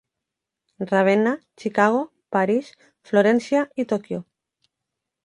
Ravenna, Chicago, París, Florència i Tòquio.